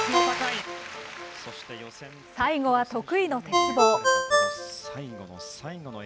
最後は得意の鉄棒。